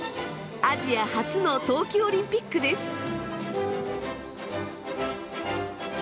アジア初の冬季オリンピックです。